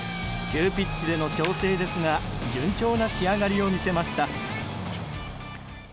急ピッチでの調整ですが順調な仕上がりを見せました。